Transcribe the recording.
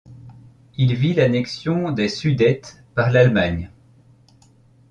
Il vit l'annexion des Sudètes par l'Allemagne.